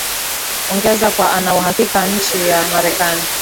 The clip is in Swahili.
uongeza kuwa anauhakika nchi ya marekani